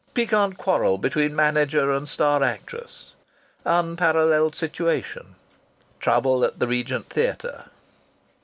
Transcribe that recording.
'Piquant quarrel between manager and star actress.' 'Unparalleled situation.' 'Trouble at the Regent Theatre.'"